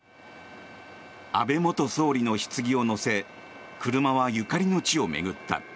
安倍元総理のひつぎを載せ車はゆかりの地を巡った。